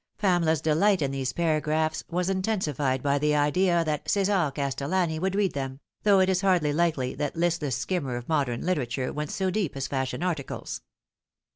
Pamela's delight in these paragraphs was intensified by the idea that Ce"sar Castellani would read them, though it is hardly likely that listless skimmer of modern literature went so deep as fashion articles.